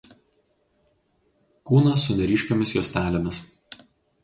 Kūnas su neryškiomis juostelėmis.